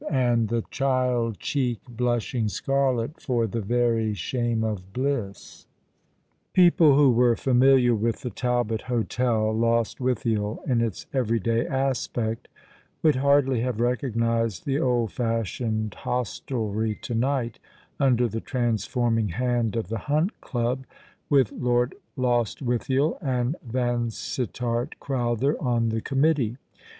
"and the child cheek blushing scarlet for the veky shame of bliss." People wlio were familiar with the Talbot Hotel, Lost witliiel, in its everyday aspect would hardly have recognized the old fashioned hostelry to night, under the transforming hand of the Hunt Club, with Lord Lostwithiel and Vansit tart Crowther on the committee.